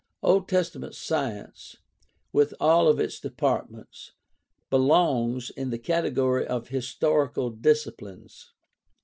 Old Testament science, with all of its departments, belongs in the category of his torical disciplines.